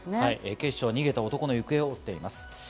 警視庁は逃げた男の行方を追っています。